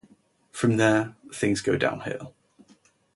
From there, things go downhill...